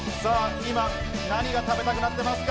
今何が食べたくなってますか？